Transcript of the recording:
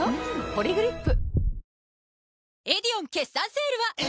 「ポリグリップ」